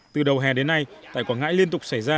từ đầu hè đến nay tại quảng ngãi liên tục xảy ra